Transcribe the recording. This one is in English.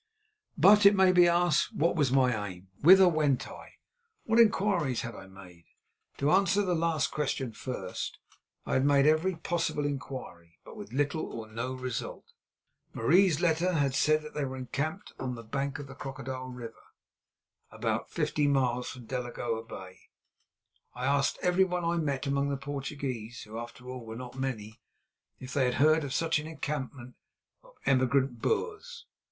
But, it may be asked, what was my aim, whither went I, what inquiries had I made? To answer the last question first, I had made every possible inquiry, but with little or no result. Marie's letter had said that they were encamped on the bank of the Crocodile River, about fifty miles from Delagoa Bay. I asked everyone I met among the Portuguese—who, after all, were not many—if they had heard of such an encampment of emigrant Boers.